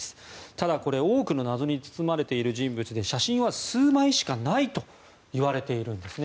ただ、多くの謎に包まれている人物で写真は数枚しかないといわれているんです。